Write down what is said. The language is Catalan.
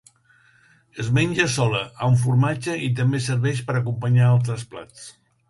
Es menja sola, amb formatge, i també serveix per acompanyar altres plats.